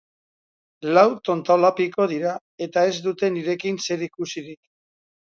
Lau tontolapiko dira, eta ez dute nirekin zerikusirik.